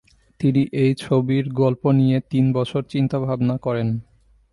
তিনি এই ছবির গল্প নিয়ে তিন বছর চিন্তা-ভাবনা করেন।